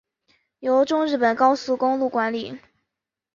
由中日本高速公路管理。